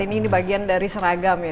ini bagian dari seragam ya